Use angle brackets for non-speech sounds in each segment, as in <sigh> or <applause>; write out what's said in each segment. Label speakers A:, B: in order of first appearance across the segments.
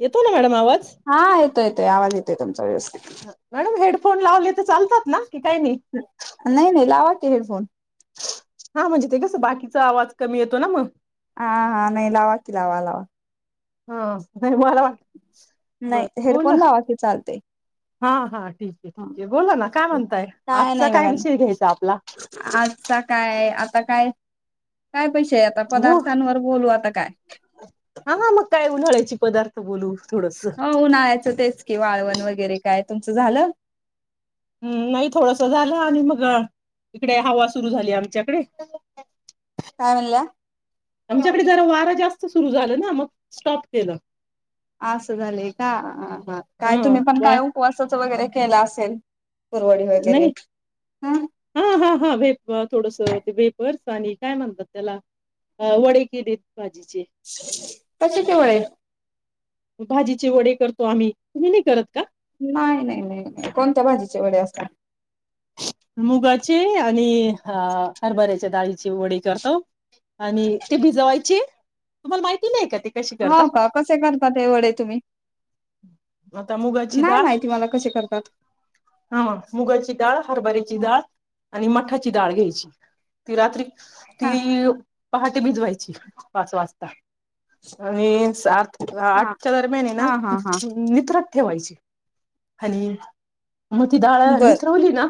A: येतो ना मॅडम आवाज
B: हा येतो येतोय आवाज येतोय तुमचा व्यवस्थित
A: फोन लावले तर चालतात ना. की काही नाही
B: नाही नाही लावा हेडफोन
A: हा म्हणजे ते कसं बाकीचा आवाज कमी येतो ना मग
B: हा हा नाही लावा की लावा.
A: हा नाही मला वाटल. बर
B: नाही
A: बोला
B: हेडफोन लावा की चालते
A: हा हा ठीक आह, बोला, ना काय म्हणताय आजचा
B: नाही
A: काय
B: बघा
A: विषय घ्यायचा आपला?
B: आजचा काय आता काय? काय पैसे आहे आता
A: घेऊ
B: पदार्थांवर बोलू आता काय
A: तर बोलू. थोडस
B: हो उन्हाळायचं तेच की वाळवण वगैरे काय तुमचं झालं?
A: हम्म नाही थोडस झालं आणि मग इकडे हवा सुरु झाली आमच्याकडे
B: काय म्हणला
A: आमच्याकडे जरा वारं जास्त सुरू झालं ना मग स्टॉप केलं
B: असं झालेय का आ आ हा तुम्ही पण काय उपवासाचं वगैरे केला असेल कुरवडी वगैरे
A: नाही
B: हम
A: हा हा हा वेप थोडस ते वेपर्स आणि काय म्हणतात त्याला वडे केलेत. भाजीचे
B: <unintelligible>
A: भाजीचे वडे करतो आम्ही तू नाही करत का?
B: नाही नाही कोणत्या भाजीचे वडे असतात
A: मुगाचे आणि हरभऱ्याच्या डाळीचे वडे करतो आणि ती ती भिजवायची, तुम्हाला माहित नाही का? कशी
B: हा
A: करतात
B: का कसे करतात हे वडे तुम्ही
A: आता मुगाची
B: नाय
A: डाळ
B: माहिती मला कसे करतात.
A: हा मग मुगाची डाळ हरभऱ्याची डाळ आणि मठाची दाळ घ्यायची ती रात्री
B: हा
A: तीव भात ते भिजवायची पाच वाजता आणि सात
B: हा
A: आठच्या दरम्यान हे ना
B: हा हा हा
A: नितळत ठेवायची. <inaudible> आणि मग ती डाळ
B: बर
A: निसरवली ना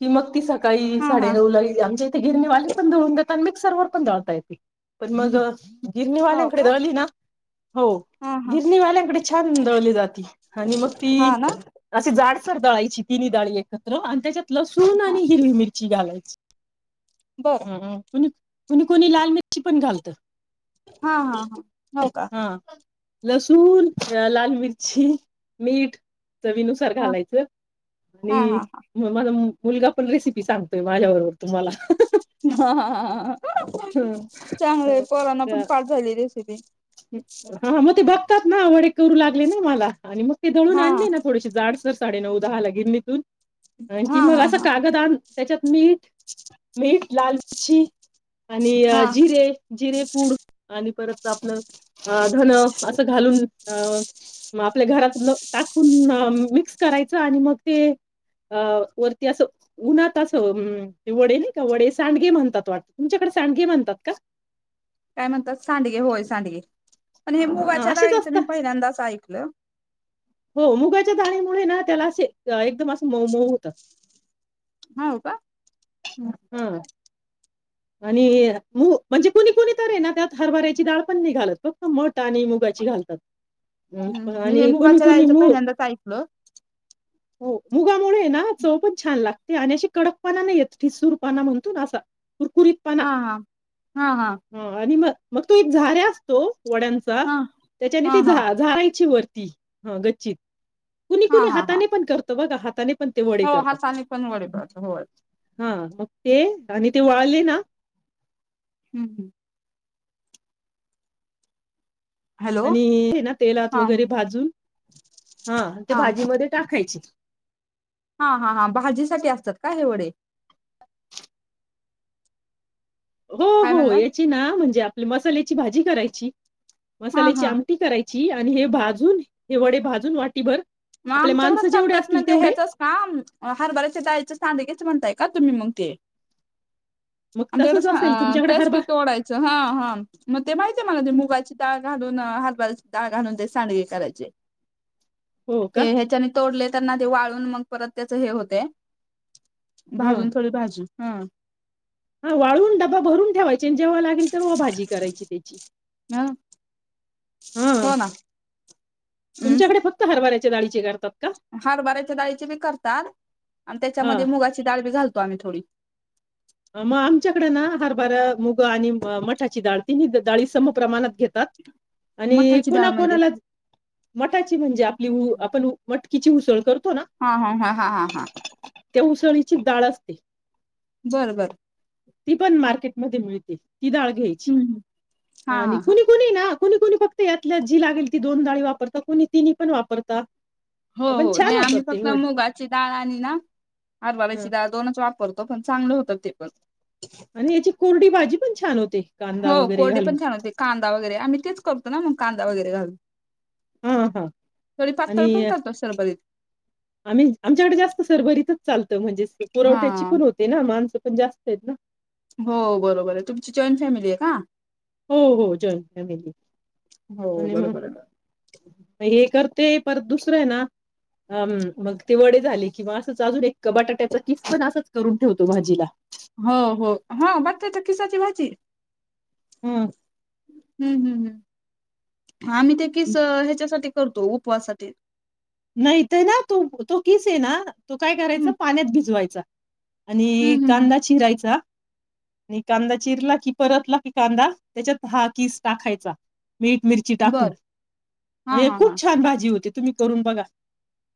A: ती मग ती स सकाळी
B: हा हा
A: साडेनऊला गेली आमच्या इथं गिरणी वाले पण दळून देतात अन मिक्सरवर पण दळता येती पण मग गिरणी
B: हो
A: वाल्यांकडे
B: का
A: दळली ना. हो
B: हा हा
A: गिरणी वाल्यांकडे छान दळली जाती आणि मग ती
B: हा ना
A: अशीच जाडसर दळायची तिनी डाळी एकत्र आणि त्याच्यात लसूण
B: हा
A: आणि हिरवी मिरची घालायची
B: बर
A: <unintelligible> कुणी कुणी लाल मिरची पण घालत.
B: हा हा हा हो का
A: हा लसूण, लाल मिरची, मीठ चवीनुसार
B: हा
A: घालायचं
B: हा
A: नी
B: हा
A: <unintelligible> मुलगा पण रेसिपी सांगतोय माझ्याबरोबर
B: हाहाहा
A: तुम्हाला.
B: चांगलंय पोरांना पण पाट झाली रेसिपी
A: हा मग ते बघतात ना वडे करू लागले नाई मला आणि मग ती दळून
B: हा
A: आणली ना मग थोडीसे जाडसर साडेनऊ दहाला गिरणीतून <unintelligible>
B: हा हा हा
A: ह्याच्यात मीठ मीठ लालची आणि अ
B: हा
A: जिरे जिरेपूड आणि परत तापलं अ धन असं घालून अ मग आपल्या घरातलं टाकून मिक्स करायचं आणि मग ते वरती असं उन्हात असं वडे नाही का वडे सांडगे म्हणतात वाटतं, तुमच्याकडे सांडगे म्हणतात का?
B: काय म्हणतात सांडगे होय सांडगे पण हे
A: हा
B: मुगाच्या
A: असेच
B: डाळीचे मी
A: असतात
B: पहिल्यांदाच ऐकते. हॅलो..
A: हो मुगाच्या दाली मुळे ना त्याला अशे एकदम अस मऊ मऊ होतात.
B: हाव का?
A: <inaudible> ह.. अणि ये मु म्हणजे कुणी कुणी तरयेना त्यात हरभऱ्याची दाल पण नाही घालत फक्त मट आणि मुगाची घालता
B: ह हे मुगाच्या दालीच पहिल्यांदा च ऐकल
A: हो मुगामुळेय ना चव पण छान लागती अण अशी कडकपाना नाही येत ठिसूर पणा म्हणतो ना असा. कुरकुरीतपणा
B: हाहा हाहा
A: हां आणि मग मग तो एक झाऱ्या असतो? वड्यांचा
B: हा
A: त्याच्यानी
B: हा
A: ते
B: हा
A: झा झारायची वर ती हा गच्चीत कुणी?
B: हा
A: कुणी,
B: हा हा
A: हाताने पण करत बघा हात त्यांनी
B: हो हाताने पण वडे करता होय
A: ओके दानित ती वाळली ना
B: हं हं हॅलो
A: अणि हे ना तेलात
B: हा
A: वगरे भाजून हा ते भाजी मधे टाकायचे.
B: हं हा हा भाजी साठी असतात का हे वडे?
A: <inaudible> हो
B: काय
A: हो
B: म्हणला
A: याची ना म्हणजे आ मसाल्याची भाजी करायची
B: हा
A: मसाल्याची
B: हा
A: आमटी कराय <unintelligible> आणि हे भाजून हे वडे भाजून वाटीभर
B: म
A: आपले
B: आमच्याकडे
A: माणसं जेवढे
B: चरतात ना
A: असतील
B: त्ये
A: तेवढे.
B: ह्याचच काम हरबऱ्याच्या दाली चे सांदेये च म्हणताये का तुमी मंग त्ये
A: मग
B: आमच्याकडे
A: तसंच
B: सां
A: असेल
B: अअ
A: तुमच्याकडे
B: तेच की
A: हरभरा
B: तोडायच हा हा म ते माहितेय मला ते
A: तुम
B: मुगाची डाळ घालून न हरबा ची डाळ घालून ते सांडगे करायचे
A: हो
B: ते
A: का?
B: ह्याच्यानी तोडलेत त्यांना ते वळून मग परत त्याच हे होतये भाजून थोडी भाजी
A: हा वाळून डब्बा भरून ठेवाय त्यांच्या जेव्हा लागेल तेव्हा भाजी करायची त्यांची
B: हं <inaudible> हो ना
A: तुमच्याकडे फक्त हरभरे त्या डाळीचे करतात. का?
B: हरभराच्या डाळीची भी करतात आणि त्याच्यामध्ये
A: हां.
B: मुगाची डाळ भी घालतात. आणि थोडी
A: अ, मग आमच्याकडे ना हरभरा, मूग आणि म मठाची डाळ तिन्ही डाळी समप्रमाणात घेतात आणि
B: मठाची
A: कोणा
B: डाळ म्हणजे
A: कोणालाच मठाची म्हणजे आपली ऊं आपण मठ हिची उसळ करू
B: हां हां हां हां हां हां
A: त्या उसळीची डाळ असती.
B: बर बर
A: मध्ये मिळतील. ही डाळ घ्यायची
B: हा
A: हां
B: हा
A: आणि
B: हा
A: कोणी कोणी ना कोणी कोणी फक्त यातल्या जी लागल ती दोन डाळी वापरतात कोणी तीन्ही पण वापरतात.
B: हो हो नाही आम्ही फक्त मुगाची डाळ आणि ना
A: ह
B: हरभऱ्याची डाळ दोनच वापरतो. पण चांगलं होतं ना ते पण
A: आणि याची कोरडी भाजी पण छान होते. कांदा
B: हो
A: वगैरे
B: कोरडी
A: घालून
B: पण छान होते कांदा वगैरे आम्ही तेच करतो ना मग कांदा वगैरे घालून
A: हां हां
B: थोडी
A: आणि
B: पातळ पण
A: आणि
B: करतो सरबरीत
A: आम्ही आमच्याकडे जास्त शरबरीत <inaudible> म्हणजे ति
B: हा
A: पुरवट्याची पण होते ना मानसं जास्त आहेत ना.
B: हो बरोबर आहे. तुमची जॉइंट फॅमिली आहे का?
A: हो हो जाॅइंट फॅमिली
B: हो
A: आणि म
B: बरोबर आहे
A: हे तर ते परत दुसरं आहे ना अं मग ते वडे झाले की, मग असंच अजुन एक बटाट्याचा कीस पण असंच करुन ठेवते भाजीला
B: हो हो हां बटाटा कीसाची भाजी
A: हं
B: हम हम हम आम्ही ते कीसं ह्याच्यासाठी करतो उपवासातील
A: नाही ते ना तो तो किस आहे ना तो काय करायचा
B: हम्म
A: पाण्यात भिजवायचा आणि
B: हम्म हम्म
A: कांदा चिरायचा कांदा चिरला की परतला की कांदा त्याच्यात हा खिस टाकायचा. मीठ मिरची
B: हम्म.
A: टाकून
B: बर हा
A: म्हणजे
B: हा हा
A: खूप छान भाजी होती. तुम्ही करुन बघा.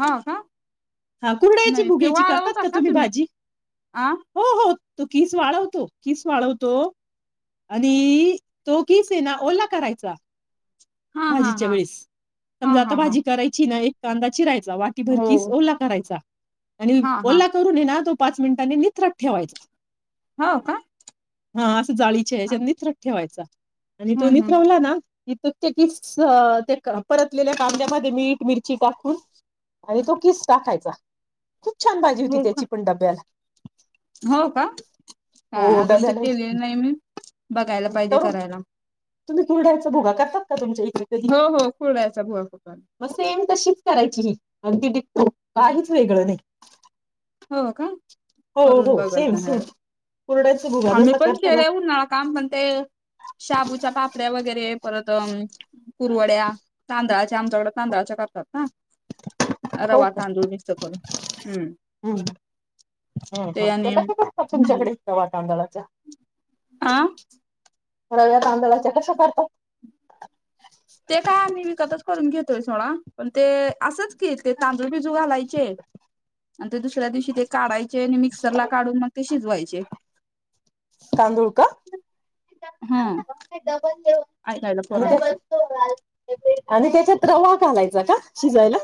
B: हा का
A: हा कुरवड्यायाची
B: नाही ते
A: भुग्याची करतात
B: वाळवता
A: का तुम्ही भाजी?
B: आ
A: हो, हो. तो किस वाळवतो, किस वाळवतो आणि तो किस हाय ना ओला करायचा.
B: हा हा
A: भाजीच्या
B: हा
A: वेळेस.
B: हा
A: समजा आता
B: हा हा
A: भाजी करायची नाही कांदा चिराय वाटीभर
B: हो
A: किस ओला करायचा आणि
B: हा हा
A: ओला करून है ना तो पाच मिनिटांनी निथरत ठेवायचा.
B: हा का?
A: हा अस जाळीच्या
B: हा,
A: ह्याच्यामध्ये नितरत ठेवायचा आणि तो
B: हम्म हम्म
A: नितरवला ना इथं तो किस अ ते परतलेल्या कांद्यामध्ये मीठ, मिरची टाकून आणि तो किस टाकायचा. खूप छान भाजी होती
B: हो का
A: त्याचीपण डब्याला.
B: हो का? हा
A: हो
B: अजून ते
A: डब्याला
B: केलेलं नाही मी. बघायला पाहिजे
A: तर
B: करायला.
A: तुम्ही कुरवड्याच्या बुगा करता? का तुमच्या हि
B: हो हो कुरवड्याचा बुगा करतो आम्ही.
A: मग सेम तशीच करायची ही अगदी डिक्टो काहीच वेगळं नाई.
B: हो, का? करून बगल
A: सेम सेम
B: उन्हाळ्यात
A: कुरड्याची भुगा
B: आम्ही
A: जसं
B: पण
A: करताना
B: केलंय उन्हाळकाम पण ते शाबूच्या पापड्या वगैरे परत <unintelligible> कुरवड्या तांदळाच्या आमच्याकडं तांदळाच्या करत्यात का?
A: खाऊ
B: रवा, तांदूळ मिक्स करून हं.
A: हम्म. हा, हा. ते कसं करत्यात
B: हम्म
A: तुमच्याकडे <unintelligible> आता? <unintelligible>
B: आ?
A: रव्या तांदळाच्या कशा करता?
B: ते काय आम्ही विकतच करून घेतोय सोडा पण ते असंच की ते ता भिजू घालायचे आणि ते दुसऱ्या दिवशी ते काढायचे आणि मिक्सरला काढून मग ते शिजवायचे....
A: तांदूळ का?
B: हम्म ऐकायला पोरांना
A: <unintelligible> आणि त्याच्यात रवा घालायचा का? शिजवायला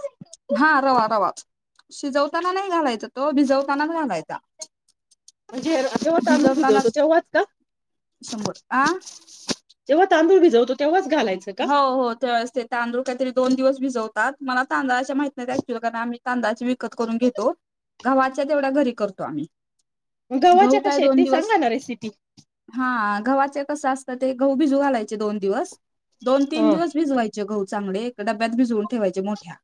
B: हां रवा रवाच शिजवतांना नाही घालायचा तो भिजवतांनाच घालायचा.
A: म्हणजे जेव्हा तांदूळ भिजवतो
B: भिजवतानाच
A: तेंव्हाच का?
B: शंभर आ
A: जेव्हा तांदूळ भिजवतो तेंव्हाच?
B: हो हो त्यावेळेस ते तांदूळ काहीतरी दोन दिवस भिजवतात मला तांदळाच्या माहित नाही ऍक्च्युली कारण तांदळाच्या विकत करून घेतो गव्हाच्या तेवढं घरी करतो आम्ही.
A: गव्हाच्या
B: गहू काय
A: कश्या आहेत
B: दोन
A: ते
B: दिवस
A: सांगा ना रेसिपी?
B: हा गव्हाचे कसे असत ते गहु भिजू घालायचे दोन दिवस दोन तीन
A: ह
B: दिवस भिजवायचे गहु. चांगले एका डब्यात भिजवून ठेवायचे मोठ्या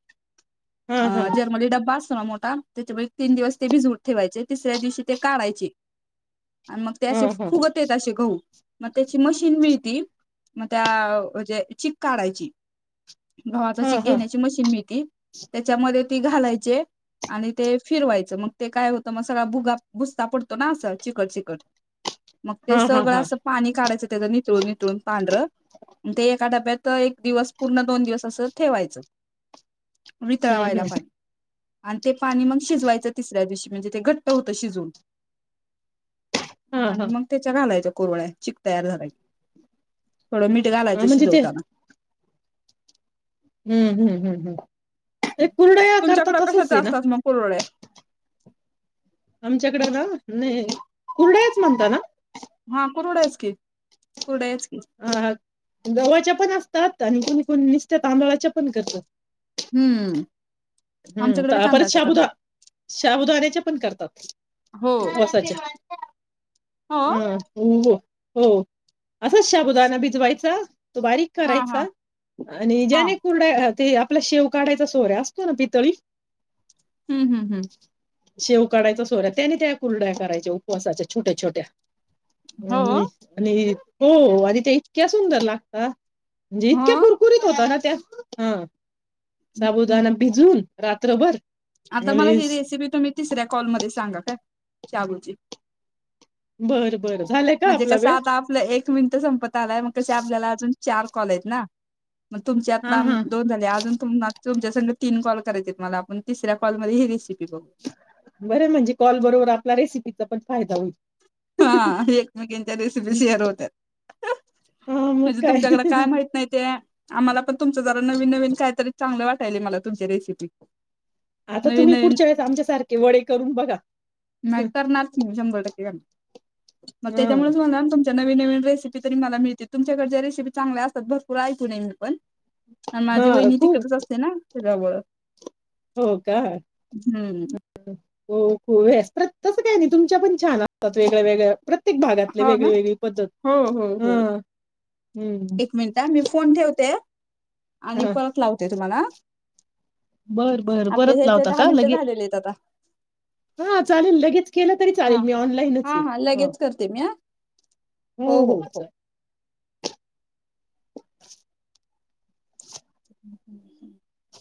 A: ह ह
B: हा जर्मनी डब्बा असा तेच नव्हे मोठा त्याच्यामुळे तीन दिवस ते भिजवून ठेवायचे तिसऱ्या दिवशी ते काढायचे. अन् मग ते
A: ह
B: अशे
A: ह
B: फुगतेत अशे गहु मग त्याची मशीन मिळती मग त्या म्हणजे चिक काढायची. गव्हाचा
A: ह
B: चिक
A: ह
B: घेण्याची मशीन मिळती त्याच्यामध्ये ती घालायचे आणि ते फिरवायच मग ते काय होत मग सगळा भुगा नुसता पडतो ना असा चिकट चिकट मग
A: हा
B: ते
A: हा
B: सगळं
A: हा
B: अस पानी काढायचं त्याचं नितळूण नितळूण पांढर ते एका डब्यात एक दिवस पुर्ण दोन दिवस अस ठेवायचं.
A: हम्म
B: वितळवायला
A: हम्म
B: पानी आणि ते पानी मग शिजवायचं तिसऱ्या दिवशी म्हणजे ते घट्ट होत शिजून
A: हा
B: आणि
A: हा
B: मग त्याच्या घालायच्या. कुरवड्या चिक तयार झाला की थोडं मीठ ते
A: हा
B: घालायचं
A: म्हणजे ते
B: शिजवतांना.
A: हम्म हम्म हम्म हम्म हे कुरडया करतो
B: तुमच्याकडे
A: तसंच
B: कशाच्या
A: आहे ना?
B: असतात मग <inaudible>
A: आमच्याकडे ना नाही कुरडयाच म्हणता ना?
B: हा कुरवड्याच की कुरड्याच की
A: हं हं जवळच्या पण अशा करतात कोणी कोणी नुसता तांदळाच्या पण करतात.
B: हम्म
A: हम्म
B: आमच्याकडे बी
A: तळा परत
B: तांदळाच्या
A: शाबूदा
B: करतात
A: शाबुदान्याच्या <unintelligible>
B: हो
A: उपवासाचे
B: हो
A: हम्म हो हो हो असच साबुदाणा भिजवायचा तो बारिक
B: हा हा
A: करायचा आणि
B: हा
A: ज्याने कुरड्या ते आप आपला शेव काढायचा सोऱ्या अस. <unintelligible>
B: हं हं हं
A: शेव कडायचा सोऱ्या त्याने त्या कुरड्या करायच्या उपवासाच्या छोट्या छोट्या
B: हो
A: <unintelligible> हो आणि त्या इतक्या सुदंर लागता. म्हणजे
B: हो
A: इतक्या कुरकुरीत होता ना <unintelligible> साबुदाना
B: <inaudible>
A: भिजून रात्रभर
B: आता मला
A: आणि
B: ही रेसिपी तुम्ही तिसऱ्या कॉल मध्ये सांगा काय शाबूची
A: बरं बरं झालाय का
B: म्हणजे
A: आपला
B: कस
A: वेळ?
B: आता आपला एक मिनिट संपत आलाय मग कस आपल्याला अजून चार कॉल आहेत ना. मग तुमचे
A: हा
B: आताम
A: हा.
B: दोन झाले अजून <unintelligible> तुमच्या संग तीन कॉल करायचेत मला पण तिसऱ्या कॉल मध्ये हे रेसि
A: बर आहे, म्हणजे कॉल बरोबर आपला रेसीपी, तिचा पण फायदा होईल.
B: हा एकमेकींच्या रेसिपी शेअर होत्यात
A: हा मग
B: म्हणजे तुमच्याकडं काय माहित नाही ते आम्हालापण तुमच्या नवीन नवीन काहीतरी चागलं वाटालय मला तुमच्या रेसीपी,
A: आता तुम्ही पुढच्यावेळेस आमच्या सारखे वडे करून बघा.
B: नायतर <unintelligible> शंभर टक्के <unintelligible> म
A: हा
B: त्याच्यामुळंच होणार ना तुमच्यात नवीन नवीन रेसिपी तरी मला मिळतील तुमच्याकडच्या रेसिपी चांगल्या असतात भरपूर ऐकून आहे मी पण माझी
A: हा
B: वहिनी
A: खूप
B: तिकडचीच असते ना, <unintelligible>
A: हो का
B: हम्म
A: हो <unintelligible> तस काय नाही तुमच्यापण छान असतात वेगळ्यावेगळ्या
B: हो ना हो हो
A: हा
B: हो
A: हम्म
B: एक मिनिट हा मी फोन ठेवतेय. आणि
A: हा
B: परत लावते तुम्हाला अ.....
A: बर बर परत
B: ह्याचे
A: लावता
B: दहा
A: का
B: मिनिटं
A: लगे?
B: झालेले आहेत आता
A: हां चालेल लगेच केलं तरी
B: हा
A: चालेल मी ऑनलाईन
B: हा
A: चय
B: हा
A: ह
B: लगेच करते मी हा
A: हो हो चा. <inaudible>
B: <inaudible>